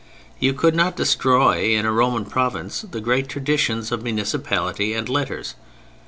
You could not destroy in a Roman province the great traditions of municipality and letters.